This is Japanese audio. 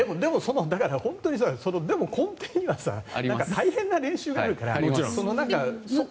でも、根底には大変な練習があるから。